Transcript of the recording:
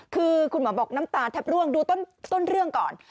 คือคุณหมอบอกน้ำตาแทบร่วงดูต้นเรื่องก่อน